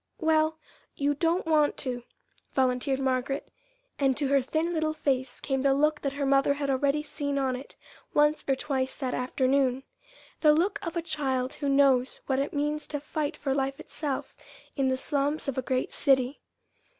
"Well, you don't want to," volunteered Margaret; and to her thin little face came the look that her mother had already seen on it once or twice that afternoon the look of a child who knows what it means to fight for life itself in the slums of a great city.